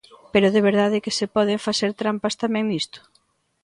¡Pero de verdade que se poden facer trampas tamén nisto!